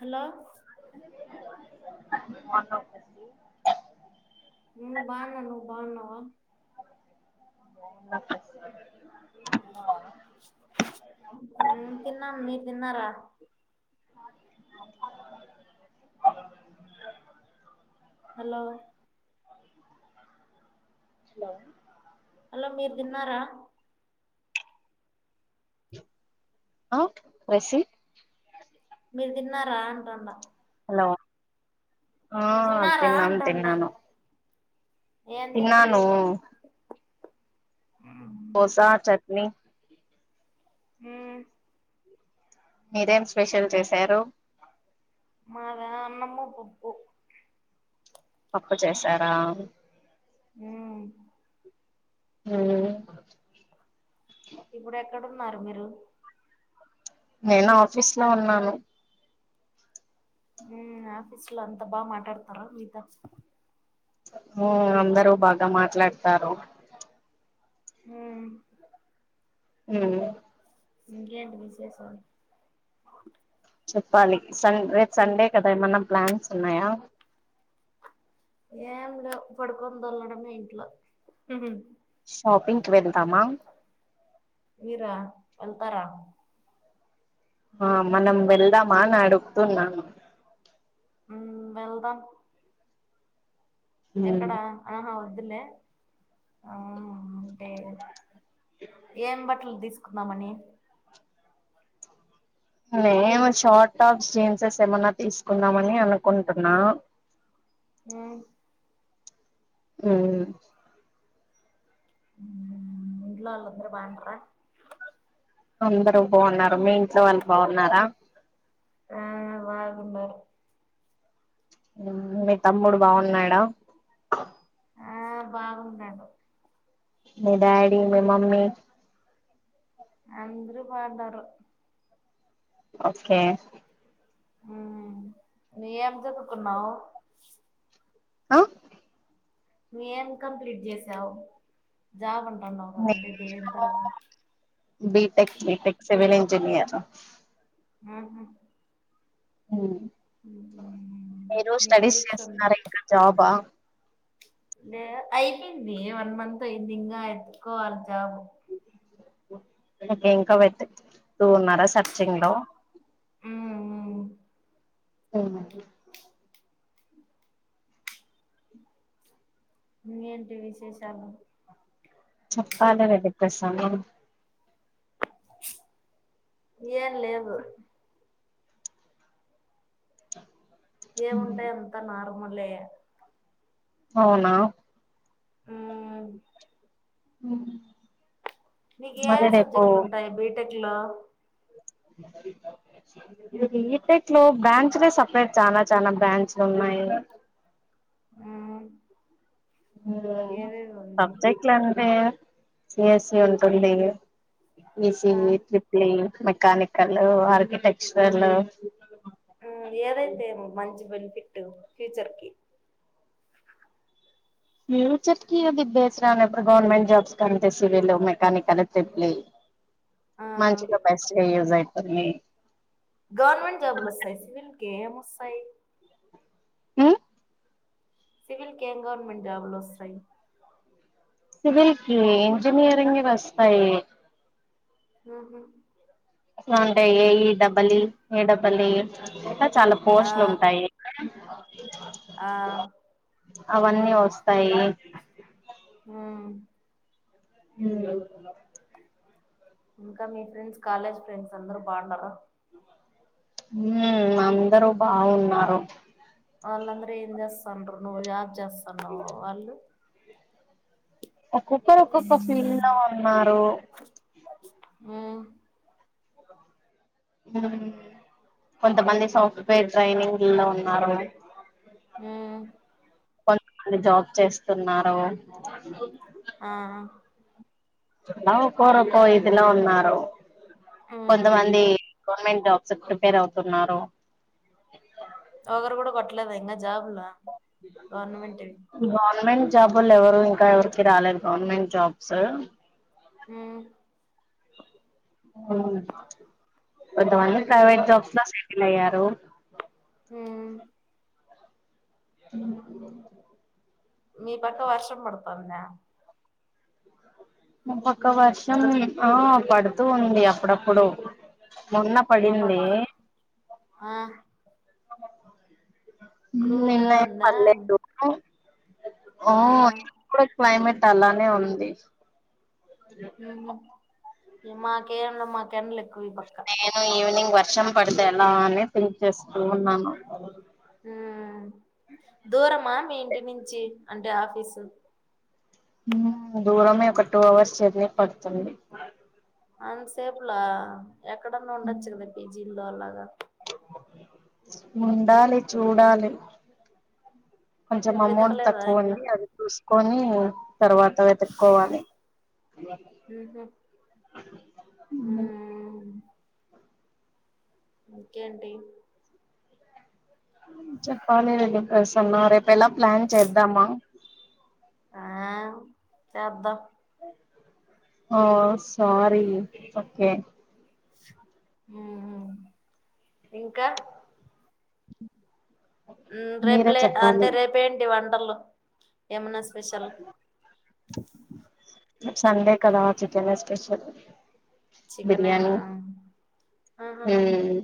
Hello బాగున్నావ [unintelligible] నేన్ బాన్నా నువ్వు బాగున్నావా [unintelligible] నేన్ తిన్నాన్ మీరు తిన్నారా హలో బాగున్నా హలో మీరు తిన్నారా రసి మీరు తిన్నరా అంటాండ హలో ఆ తిన్నారా తిన్నాను అంటుండా తిన్నాను ఏం తింట్రి తిన్నాను దోసా చట్నీ మ్మ్ మీరేం స్పెషల్ చేశారు మాద అన్నము పప్పు పప్పు చేశారా మ్మ్ నువ్వేమ్ కూర ఇప్పుడు ఎక్కడున్నారు మీరు నేను ఆఫీస్ లో ఉన్నాను హ్మ్ ఆఫీస్ లో అంత బా మాటాడతారా మీతో హ్మ్ అందరుూ బాగా మాట్లాడతారు హ్మ్ హ్మ్ ఇకేంటి విశేషాలు చెప్పాలి సరే రేపు సండే కదా ఏమన్నా ప్లాన్స్ ఉన్నాయా ఏం లేవు పడుకొని దోల్లడమే ఇంట్లో షాపింగ్ కి వెళ్ళు మీరా వెళ్తారా ఆ మనం వెళ్దామా అని అడుగుతున్నాను హ్మ్ వెల్దం మ్మ్ ఎక్కడ ఆహా వద్దులే ఆ అంటే ఏం బట్టలు తీసుకుందామని నేను షార్ట్ టాప్ జీన్సెస్ ఏమన్నా తీసుకుందామని అనుకుంటున్నా హ్మ్ మ్మ్ మ్మ్ ఇంట్లో వాళ్ళందరూ బాగున్నారా అందరూ బాగున్నారు మీ ఇంట్లో వాళ్ళు బాగున్నారా ఆ బాగుంనారు హ్మ్ మీ తమ్ముడు బాగున్నాడా ఆ బాగుంనాడు మీ డాడీ మీ మమ్మీ అందరు బాగున్నారు ఓకే ఏం చదువుకున్నావ్ ఆ నువ్వేం కంప్లీట్ చేసావు జాబ్ అం న్నావు కదా అంటే దేం తరూప్ బీటెక్ బీటెక్ సివల్ ఇంజనియర్ ఆహా ఉమ్. మీరు నీ స్టడీస్ కొలీగ్స్ అన్ చేస్తున్నారా ఇంకా జాబా లే అయిపోంది వన్ మంత్ అయిందింగా ఏతుకోవాలి జాబ్ ఇంకా వెట్ టూ ఉన్నారా సచింగ్లో ఉమ్, ఉమ్. అవును అండి ఇంకేంటి విశేషాలు చెప్పాలి అది ప్రసంగం ఏం లేదు ఏముంటాయి అంతా నార్మలే అవునా మ్మ్ హ్మ్ నీకు ఏ ఏ సబ్జెక్టులు ఉంటాయి బీటెక్ లో [inaudible] బిటెక్ లో బ్రాంచలే సపరేట్ చాలా చాల బ్రాంచలు ఉన్నాయి [inaudible] మ్మ్ ఏవేవి ఉన్నయి సబ్జెక్ట్లా ఏముంటాయి సిఎస్ఈ ఉంటుంది ఆ ఇసియి ట్రిప్లీ మెకానికల్ ఆర్కిటెక్చరల్ ఏదైతే ఏం మంచి బనిఫిట్ ఫ్యూచర్ కి ఫ్యూచర్ కి అది బసి రానప్పుడు గవర్నమెంట్ జాబ్స్ కంటే సివిల్ మెకానిక్ల్ టప్లే ఆ మంచిగా బెస్ట్గా యూస్ అయితుంది గవర్నమెంట్ జాబ్లు వస్తాయి సివిల్ కి ఏం వస్తాయి సివిల్ కి ఏం గవర్నమెంట్ జాబ్ లు వస్తాయి సివిల్ కి ఇంజినయరింగ్ వస్తాయి హ టే ఏఈ డబలి ఏ డబల్ చాలా ఆ పోస్ట్లు ఉంటాయి ఆ అవన్నీ వస్తాయి ఆ హ ఇంకా మీ ఫ్రెండ్స్ కాలేజ్ ఫ్రెండ్స్ అందరు బాగున్నార హ అందరూ బాగున్నారు వాళ్ళందరూ ఏం చేస్తండరూ నువ్వు జాజ్ చేస్తానువ్వు వాళ్ళు ఒక్కొక్కరు ఒక్కొక్క ఫీల్డ్ మ్మ్ లో ఉన్నారు కొంతమంది సాఫ్ట్వేర్ ట్రైనింగ్ లో ఉన్నారు హ జాబ్ చేస్తున్నారు ఆ అలా ఒకరు ఒక ఇదిలో ఉన్నారు ఉమ్ కొంతమంది గవర్నమెంట్ జాబ్స్ ప్రిపేర్ అవుతున్నారు ఒకరు కూడా కొట్టలేదు ఇంకా జాబ్లా గవర్నమెంట్వి గవర్నమెంట్ జాబులు ఎవరు ఇంకా ఎవరికి రాలేదు గవర్నమెంట్ జాబ్స్ హ కొంతమంది మీ ప ప్రైవేట్ జాబ్స్లా సెటిల్ అయ్యారు హ అ మీ పక్క వర్షం పడతాందా మా పక్క వర్షం ఆ పడుతూ ఉంది అప్పుడప్పుడు మొన్న మా పడింది పక్క ఆ నిన్న కూల్గా ఉందా పడలేదు ఆ ఆఓ అ క్లైమేట్ అలానే ఉంది మా కేరలో మాకు ఎండలు నేను ఈవినింగ్ వర్షం పడితే ఎలా అని థింక్ చేస్తూ ఉన్నాను ఉ దూరమా మీ ఇంటి నుంచి అంటే ఆఫీసు దూరమే ఒక టూ అవర్స్ జర్నీ పడుతుంది అన్సేపులా ఎక్కడన్నా ఉండొచ్చు కదా పీజీల్లో అలాగా ఉండాలి చూడాలి కొంచెం అమౌంట్ వెతకలేదా తక్కువ ఇంగా ఉంది అది చూసుకొని తర్వాత వెతుక్కోవాలి హ ఇంకేంటి చెప్పాలి రెడ్డి ప్రసన్న రేపు ఎలా ప్లాన్ చేద్దామా ఆ చేద్దాం ఆఓ సారీ ఓకే హ ఇంకా మీరే రేపులే అంటే చెప్పాలి రేపేంటి వంటలు ఏమన్నా స్పెషల్ సండే కద చికెన్ నే స్పెషల్ చికెనేనా బిర్యానీ. ఆహా హమ్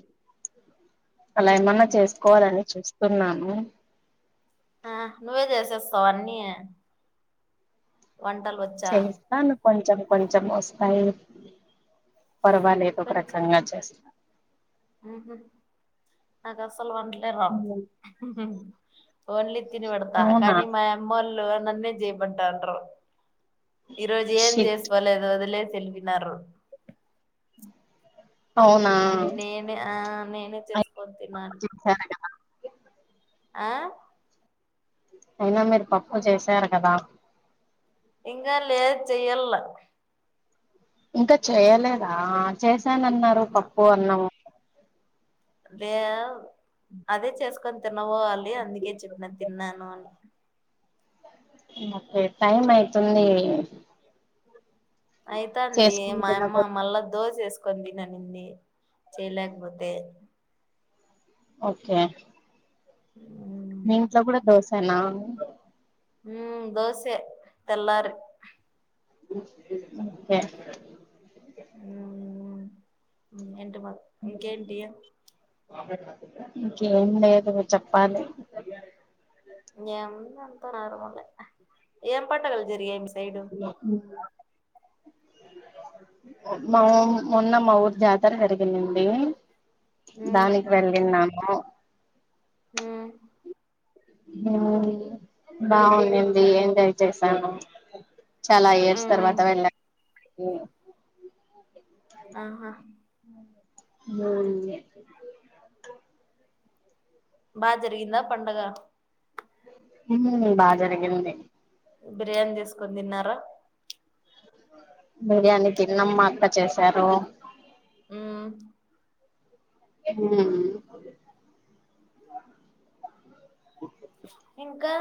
అలా ఏమన్నా ఉమ్. చేసుకోవాలని చూస్తున్నాను ఆ నువ్వే చేసేస్తావ అన్నీ వంటలు వచ్చా చేస్తాను కొంచెం కొంచెం వస్తాయి పర్వాలేదు ఏదో ఒక రకంగా చేస్తా ఉహూ. నాకాసలు వంటలే రావు ఓన్లీ తిని పెడతా అవునా కానీ మా అమ్మ వాళ్ళు నన్నే చెయ్యమంటారు ఈరోోజు ఏం షిట్ చేసుకోాలిదో వదిలేసి ఏ లిపినారు అవునా ఇప్పుడు నేనే ఆ నేనే అయినా చేసుకొని తిినాలీ చేశారు కదా ఆహ్ అయినా మీరు పప్పు చేశారు కదా ఇంక లేదు చెయలే ఇంకా చేయలేదా చేశాన అన్నారు పప్పు అన్నము లే అవు అదే చేసుకొని తినబోవాలి అందుకే చెప్పిన తిన్నాను అని ఓకే టైమ్ అయితుంది అయింది చేసుకుని మా అమ్మ తినకూడదు మళ్ళా దోస వేసుకొని తినండి చేయలేకపోతే ఓకే అ మీ ఇంట్లో కూడా దోస్నా ఉమ్ దోశె తెల్లారీ ఎహ్ హమ్. ఇంకేంటి ఇంకేం లేదు చెప్పాలి ఏ అంత న ర్మల ఏం పండగలు జరిగాయి మి సైడ్ మా మొన్న మా ఊరు జాతర జరిగిందండి మ్మ్ దానికి వెళ్లి నము ఉమ్ బాగుందడి ఎంజాయ్ చేసాను చాలా ఇయర్స్ మ్మ్ తర్వాత వెళ్ళ ఆహా మ [inaudible] బ జరిగిందా పండగ బా జరిగింది బిర్యానీ చే సుకొని తిన్నారా బిర్యానీ తిన్నాం మా అక్క చేసారు ఉమ్ ఆ [inaudible] ఇంకా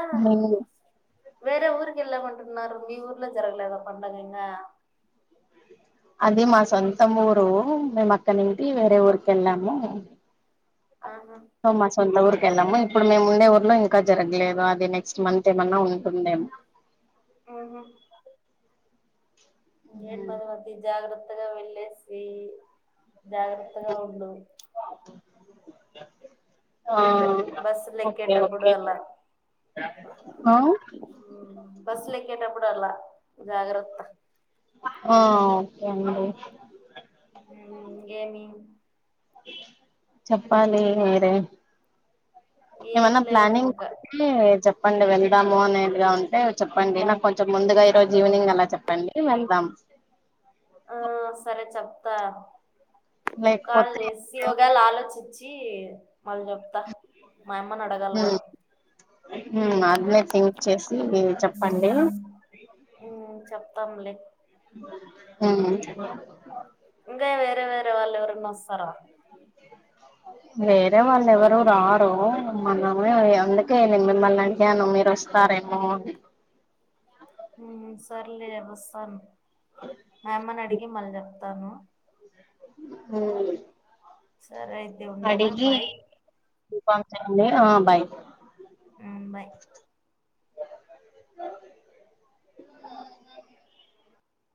వరే ఊరుకి ఎలా మంటున్నారు మీ ఊర్లా జరగలే ఏదో పండగ అది మా సొంత ఊరు మేము అక్కనంటి వేరే ఊరిక వెళ్ళాము ఆహా హమ్మ సొంత ఉఊరు ె వెళ్ళాము ఇప్పుడు మేము ఉండే ఊర్లో ఇంకా జరగలేదు అది నెక్స్ట్ మంత్ ఏమన్నా ఉంటుందేమో ఏన్ మద మధ జాగ్రత్తగా వెళ్ళసీ జాగ్రత్తగా ఉండు ఆహ్ బస్సులు ఓకే ఎక్కేటప్పుడు ఓకే అలా ఆహ్ బస్సులెక్కేటప్పుడు అట్లా జాగ్రత్త. ఆఁ ఆ ఓకే అండి. మ్మ్ ఇంగేమి చెప్పాలి మీరే ఏం ఏమన్నా లేదు ప్లనింగ్ ఇంకా ఉంటే చెప్ చెప్పండి వెళ్దాము అనేదిగా ఉంటే చెప్పండి నాకు కొంచెం ముందుగా ఈ రోజు ఈవినింగ్ అన్న చెప్పండి వెళ్దాం. ఆ సరే చెప్తా కాల్ లేకపోతే చేసి ఒకవేళ ఆలోచిచి చ్చి మళ్ళ్ చెప్త మా అమ్మన్ అడగాలి కదా. మ్మ్ ఆడ్నే థింక్ చేసి చెప్పండీ చెప్తంలే మ్మ్ ఇంగా వేరే వేరే వాళ్ళ ఎవరున్నొస్తరా? అ వేరే వాళ్ళు ఎవరూ రారూ, మనమే అందుకే నేను మిమ్మల్ని అడిగాను మీరు వస్తారే మో అని మ్ఁ సర్లే వస్తాను మా అమ్మని అడి గి మళ్ళ్ చెప్తానూ. హ్మ్ఁ సరే అయితే ఉండేనా బై ఆ సరే నేనా బాయ్ మ్ బాయ్. య